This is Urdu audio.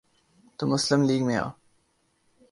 تو مسلم لیگ میں آ۔